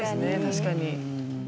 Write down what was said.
確かに。